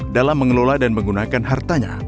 dalam mengelola dan menggunakan hartanya